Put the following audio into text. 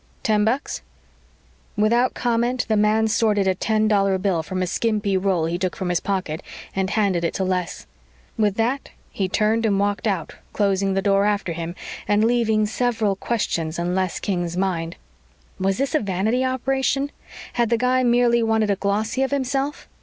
"Ten bucks?" Without comment, the man sorted a ten dollar bill from a skimpy roll he took from his pocket and handed it to Les. With that, he turned and walked out, closing the door after him and leaving several questions in Les King's mind. Was this a vanity operation? Had the guy merely wanted a glossy of himself?